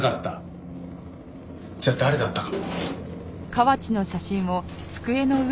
じゃあ誰だったか。